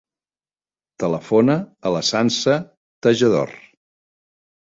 Telefona a la Sança Tejedor.